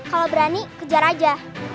kalau berani kejar aja